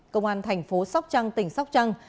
công an tp sóc trăng tỉnh sóc trăng